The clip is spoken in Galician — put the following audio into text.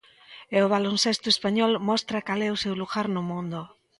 E o baloncesto español mostra cal é o seu lugar no mundo.